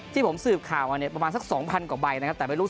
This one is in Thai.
ที่ผมสืบข่าวมาเนี่ยประมาณสัก๒๐๐กว่าใบนะครับแต่ไม่รู้